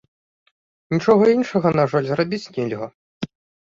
Нічога іншага, на жаль, зрабіць нельга.